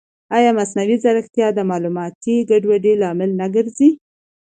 ایا مصنوعي ځیرکتیا د معلوماتي ګډوډۍ لامل نه ګرځي؟